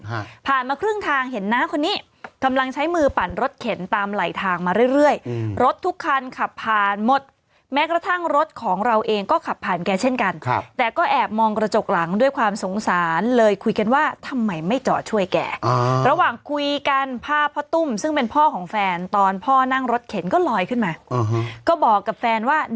ผ่านมาครึ่งทางเห็นน้าคนนี้กำลังใช้มือปั่นรถเข็นตามไหลทางมาเรื่อยเรื่อยอืมรถทุกคันขับผ่านหมดแม้กระทั่งรถของเราเองก็ขับผ่านแกเช่นกันครับแต่ก็แอบมองกระจกหลังด้วยความสงสารเลยคุยกันว่าทำไมไม่จอดช่วยแกอ่าระหว่างคุยกันภาพพ่อตุ้มซึ่งเป็นพ่อของแฟนตอนพ่อนั่งรถเข็นก็ลอยขึ้นมาก็บอกกับแฟนว่า